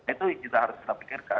itu juga harus kita pikirkan